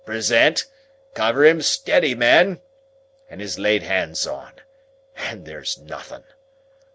Present! Cover him steady, men!' and is laid hands on—and there's nothin'!